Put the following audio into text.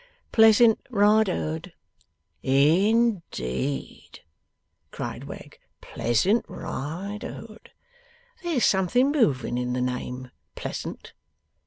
'Pleasant Riderhood.' 'In deed!' cried Wegg. 'Pleasant Riderhood. There's something moving in the name. Pleasant.